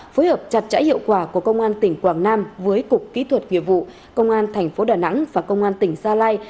phối hợp chặt chẽ hiệu quả của công an tỉnh quảng nam với cục kỹ thuật nghiệp vụ công an tp đà nẵng và công an tỉnh sa lai